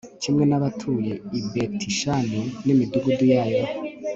kimwe n'abatuye i betishani n'imidugudu yayo